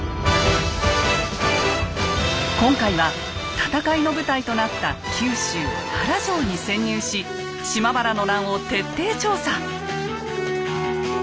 今回は戦いの舞台となった九州原城に潜入し島原の乱を徹底調査。